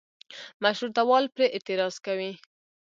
مشروطه وال پرې اعتراض کوي.